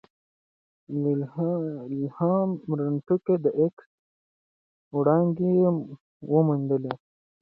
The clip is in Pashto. ویلهلم رونټګن د ایکس وړانګې وموندلې.